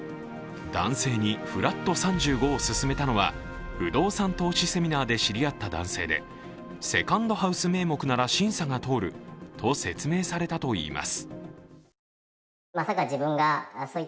男性にフラット３５を勧めたのは不動産投資セミナーで知り合った男性でセカンドハウス名目なら審査が通ると説明されたといいます。